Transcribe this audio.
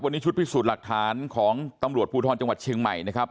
วันนี้ชุดพิสูจน์หลักฐานของตำรวจภูทรจังหวัดเชียงใหม่นะครับ